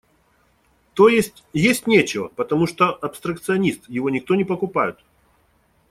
То есть, есть нечего, потому что – абстракционист, его никто не покупают.